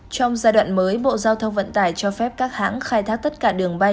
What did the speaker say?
trong giai đoạn mới bộ giao thông vận tải cho phép các hãng khai thác tất cả đường bay